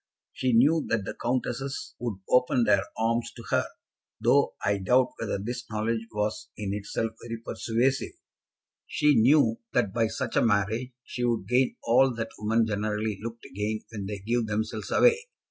She knew that the countesses would open their arms to her, though I doubt whether this knowledge was in itself very persuasive. She knew that by such a marriage she would gain all that women generally look to gain when they give themselves away.